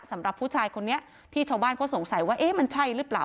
สำหรับผู้ชายคนนี้ที่ชาวบ้านเขาสงสัยว่าเอ๊ะมันใช่หรือเปล่า